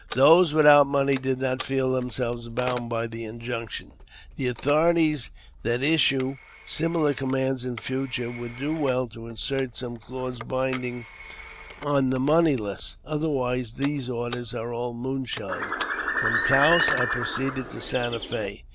Those without money did not feel themselves bound by the injunction. The authorities that issue similar commands in future would do well to insert some clause binding on the moneyless, other wise these orders are all moonshine. From Taos I proceeded to Santa Fe.